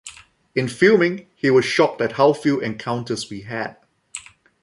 In filming, he was shocked at how few encounters we had.